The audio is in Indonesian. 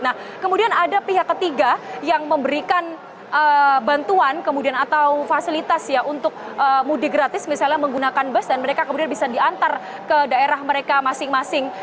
nah kemudian ada pihak ketiga yang memberikan bantuan kemudian atau fasilitas ya untuk mudik gratis misalnya menggunakan bus dan mereka kemudian bisa diantar ke daerah mereka masing masing